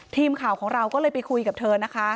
ทีมข่าวของเราก็เลยไปคุยกับเธอนะคะ